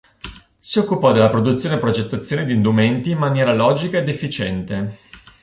Si occupò della produzione e progettazione di indumenti in maniera logica ed efficiente.